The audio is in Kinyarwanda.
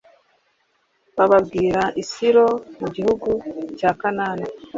bababwirira i silo mu gihugu cya kanahani